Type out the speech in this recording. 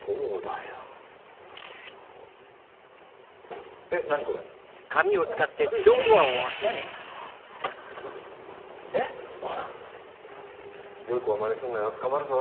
よい子はまねすんなよ捕まるぞ。